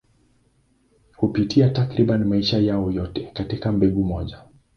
Hupitia takriban maisha yao yote katika mbegu moja.